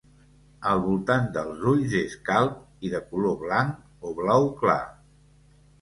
El voltant dels ulls és calb i de color blanc o blau clar.